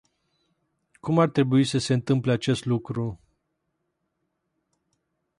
Cum ar trebui să se întâmple acest lucru?